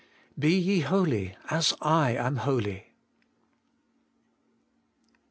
BE YE HOLY, AS I AM HOLY.